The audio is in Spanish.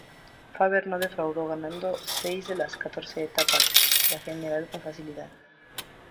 Faber no defraudó, ganando seis de las catorce etapas y la general con facilidad.